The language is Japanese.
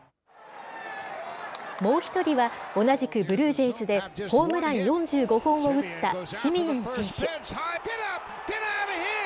もう１人は、同じくブルージェイズでホームラン４５本を打ったシミエン選手。